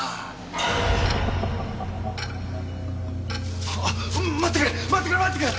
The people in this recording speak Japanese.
あ待ってくれ待ってくれ待ってくれ！